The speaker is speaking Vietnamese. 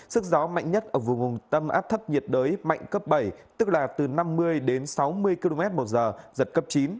sức gió mạnh nhất ở vùng tâm áp thấp nhiệt đới mạnh cấp bảy tức là từ năm mươi đến sáu mươi km một giờ giật cấp chín